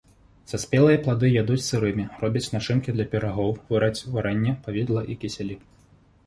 Саспелыя плады ядуць сырымі, робяць начынкі для пірагоў, вараць варэнне, павідла і кісялі.